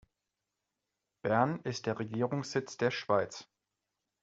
Bern ist der Regierungssitz der Schweiz.